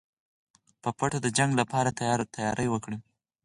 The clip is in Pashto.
په پټه د جنګ لپاره تیاری وکړئ.